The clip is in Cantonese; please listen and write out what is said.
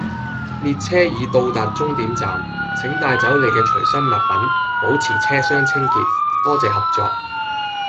列車已到達終點站，請帶走你嘅隨身物品，保持車廂清潔，多謝合作